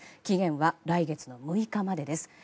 期限は来月６日までです。